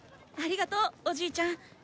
ありがとうおじいちゃん！